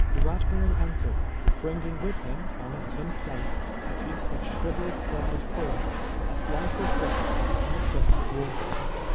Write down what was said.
liad hurn entered, Lringing with liim, on a tin ])late, a l)ieee of t liriveled fried pork, a slice of bread and a cup of water.